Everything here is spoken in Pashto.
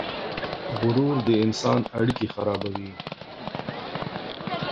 غرور د انسان اړیکې خرابوي.